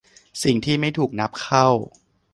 สิ่งที่ไม่ถูกนับเข้า